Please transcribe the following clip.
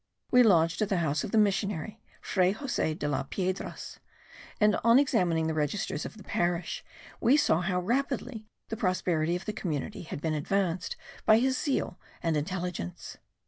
We lodged at the house of the missionary, Fray Jose de las Piedras; and, on examining the registers of the parish, we saw how rapidly the prosperity of the community has been advanced by his zeal and intelligence.